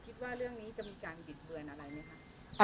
คิดว่าเรื่องนี้จะมีการบิดเบือนอะไรไหมคะ